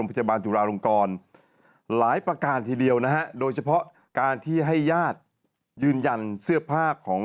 พยาบาลจุฬาลงกรหลายประการทีเดียวนะฮะโดยเฉพาะการที่ให้ญาติยืนยันเสื้อผ้าของ